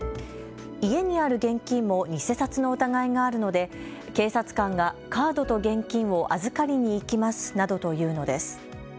家にある現金も偽札の疑いがあるので警察官がカードと現金を預かりに行きますなどと言うのです。